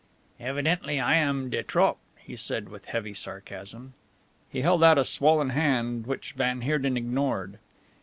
"Evidently I am de trop," he said with heavy sarcasm. He held out a swollen hand which van Heerden ignored.